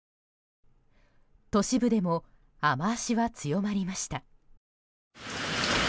都市部でも雨脚は強まりました。